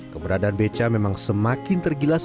keberadaan beca memang semakin tergilas